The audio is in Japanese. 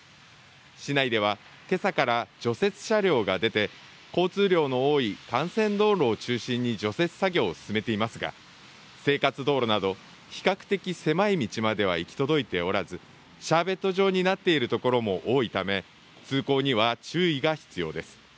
市内では、けさから除雪車両が出て交通量の多い幹線道路を中心に除雪作業を進めていますが生活道路など比較的狭い道までは行き届いておらずシャーベット状になっているところも多いため通行には注意が必要です。